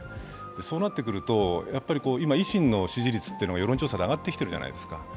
そうなってくると、今維新の支持率っていうのが世論調査で上がってきているじゃないですか。